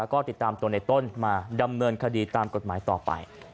ก็ติดตามตัวในต้นมาดำเนินคดีตามกฎหมายต่อไป